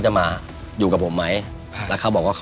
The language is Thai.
ที่บ้านมันจะเอากันตรงนี้นะ